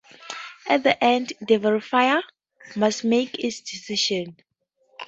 At the end the verifier must make its decision.